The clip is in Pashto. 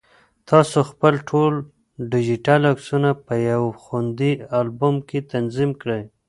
تاسو خپل ټول ډیجیټل عکسونه په یو خوندي البوم کې تنظیم کړئ.